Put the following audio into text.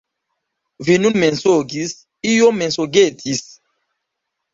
Vi nun mensogis, iom mensogetis.